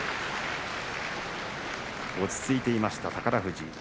落ち着いていました宝富士。